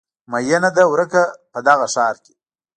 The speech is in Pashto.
میینه ده ورکه په دغه ښار کې